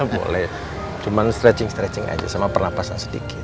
boleh cuma stretching stretching aja sama pernapasan sedikit